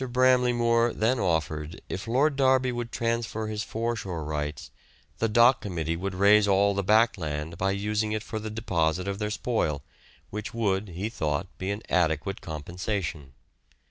Bramley Moore then offered if Lord Derby would transfer his foreshore rights the Dock Committee would raise all the back land by using it for the deposit of their spoil, which would, he thought, be an adequate compensation.